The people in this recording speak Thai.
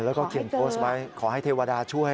แล้วก็เขียนโพสต์ไว้ขอให้เทวดาช่วย